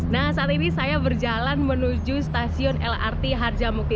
nah saat ini saya berjalan menuju stasiun lrt harjamukti